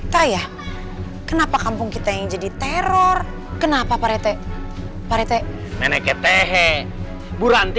tayah kenapa kampung kita yang jadi teror kenapa parete parete nenek kepehe buranti